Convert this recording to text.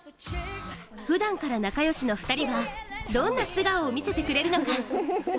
ふだんから仲よしの２人はどんな素顔を見せてくれるのか。